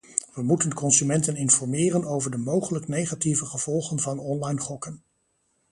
We moeten consumenten informeren over de mogelijk negatieve gevolgen van online gokken.